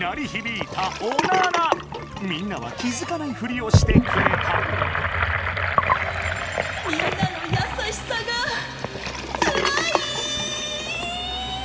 みんなは気づかないフリをしてくれたみんなの優しさがつらい！